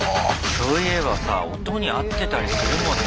そういえばさ音に合ってたりするもんね